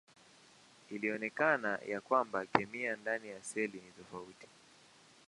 Ilionekana ya kwamba kemia ndani ya seli ni tofauti.